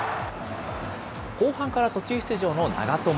後半から途中出場の長友。